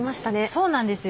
そうなんですよ。